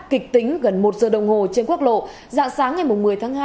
kịch tính gần một giờ đồng hồ trên quốc lộ dạng sáng ngày một mươi tháng hai